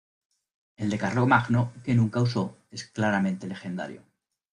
El de Carlomagno, que nunca usó, es claramente legendario.